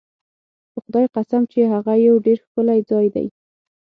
په خدای قسم چې هغه یو ډېر ښکلی ځای دی.